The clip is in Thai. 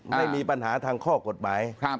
ไม่มีปัญหาทางข้อกฎหมาย